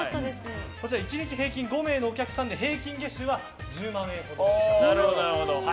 １日平均５名のお客さんで平均月収は１０万円ということです。